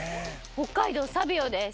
北海道サビオです。